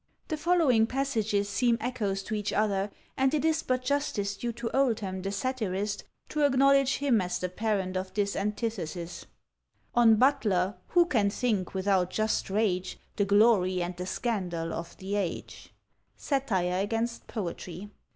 _ The following passages seem echoes to each other, and it is but justice due to Oldham, the satirist, to acknowledge him as the parent of this antithesis: On Butler who can think without just rage, The glory and the scandal of the age? Satire against Poetry.